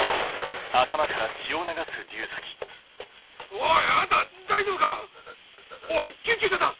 おいあんた大丈夫か⁉おい救急車だ！